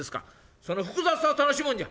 「その複雑さを楽しむんじゃ」。